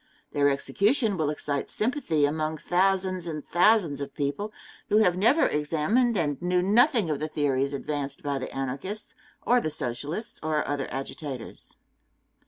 Their execution will excite sympathy among thousands and thousands of people who have never examined and knew nothing of the theories advanced by the Anarchists, or the Socialists, or other agitators.